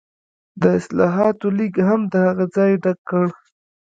د اصلاحاتو لیګ هم د هغه ځای ډک کړ.